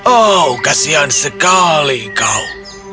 oh kasihan sekali kau